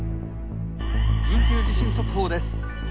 「緊急地震速報です」。